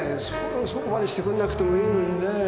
そこまでしてくんなくてもいいのにねぇ。